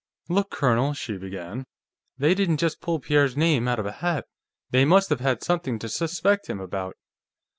"Look, Colonel," she began. "They didn't just pull Pierre's name out of a hat. They must have had something to suspect him about."